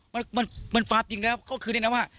มันฟ้าจริงแล้วก็คือแนะนำว่า